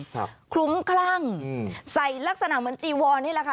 คลุ้มคลั่งอืมใส่ลักษณะเหมือนจีวอนนี่แหละค่ะ